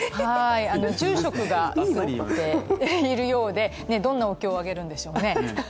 住職が上げているようで、どんなお経をあげるんでしょうね。